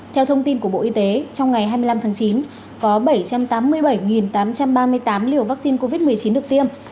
theo thông tin của bộ y tế trong ngày hai mươi năm tháng chín có bảy trăm tám mươi bảy tám trăm ba mươi tám liều vaccine covid một mươi chín được tiêm